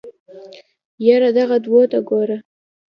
يره دغو دوو ته ګوره.